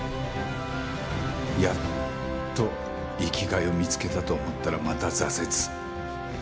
やっと生きがいを見つけたと思ったらまた挫折。